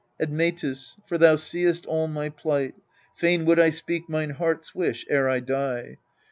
Admetus for thou seest all my plight Fain would I speak mine heart's wish ere I die.